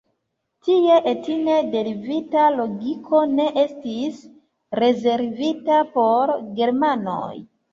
Tia etne derivita logiko ne estis rezervita por Germanoj.